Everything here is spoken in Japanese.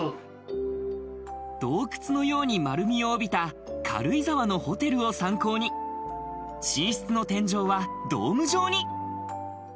洞窟のように丸みを帯びた軽井沢のホテルを参考に、寝室の天井はドーム状に。